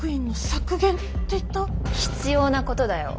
必要なことだよ。